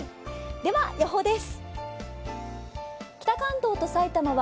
では、予報です。